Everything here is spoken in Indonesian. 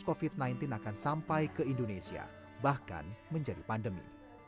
covid sembilan belas akan sampai ke indonesia bahkan menjadi pandemi